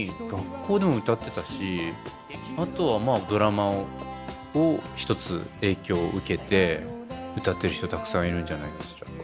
学校でも歌ってたしあとはまあドラマを一つ影響受けて歌ってる人たくさんいるんじゃないかしら。